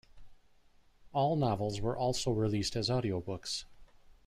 All novels were also released as audiobooks.